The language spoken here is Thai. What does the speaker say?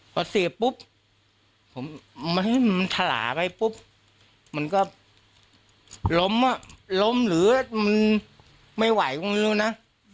พอเสียปุ๊ปผมมันสิมันทะลายไปปุ๊ปมันก็ล้อมก็ล้มหรือมันไม่ไหวคงไม่รู้นะ